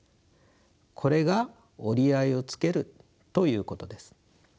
これが折り合いをつけるということです。